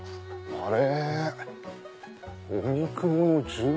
あれ？